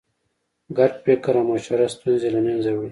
ګډ فکر او مشوره ستونزې له منځه وړي.